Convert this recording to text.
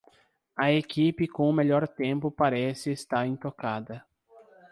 A equipe com o melhor tempo parece estar intocada.